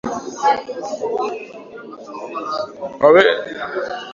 Waweza kupika vyakula vingine mbalimbali kama biskuti